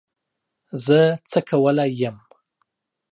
زه څه کولای یم